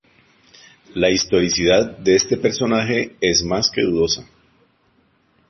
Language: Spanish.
La historicidad de este personaje es más que dudosa.